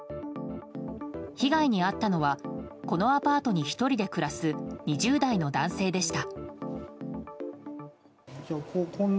被害に遭ったのはこのアパートに１人で暮らす２０代の男性でした。